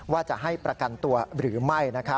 ว่าจะให้ประกันตัวหรือไม่